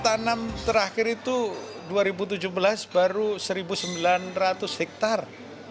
tanam terakhir itu dua ribu tujuh belas baru satu sembilan ratus hektare